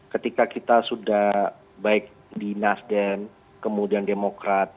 ketika kita sudah baik di nasdem kemudian demokrat